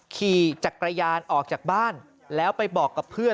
ขี่จักรยานออกจากบ้านแล้วไปบอกกับเพื่อน